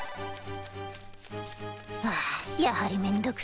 あやはりめんどくせい。